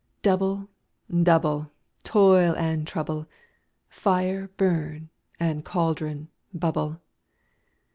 ALL. Double, double, toil and trouble; Fire, burn; and cauldron, bubble.